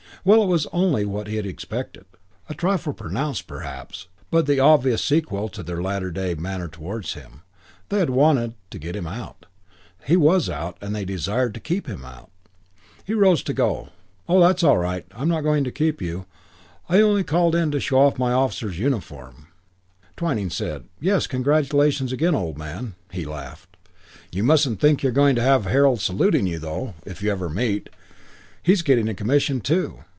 Well, it was only what he had expected; a trifle pronounced, perhaps, but the obvious sequel to their latter day manner towards him: they had wanted to get him out; he was out and they desired to keep him out. He rose to go. "Oh, that's all right. I'm not going to keep you. I only called in to show off my officer's uniform." Twyning said, "Yes, congratulations again, old man." He laughed. "You mustn't think you're going to have Harold saluting you though, if you ever meet. He's getting a commission too."